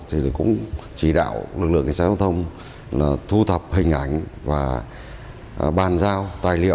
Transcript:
thì cũng chỉ đạo lực lượng cảnh sát giao thông thu thập hình ảnh